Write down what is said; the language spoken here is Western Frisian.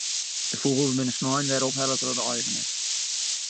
De fûgels binne snein wer ophelle troch de eigeners.